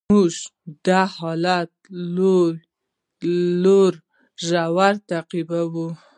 موږ د حالت لوړې ژورې تعقیبوو.